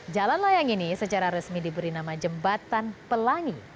jalan layang ini secara resmi diberi nama jembatan pelangi